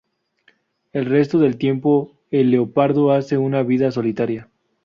El resto del tiempo el leopardo hace una vida solitaria.